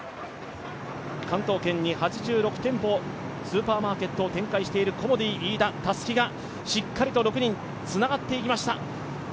関東圏に８６店舗、スーパーマーケットを展開しているコモディイイダ、たすきがしっかりと６人、つながっていきました。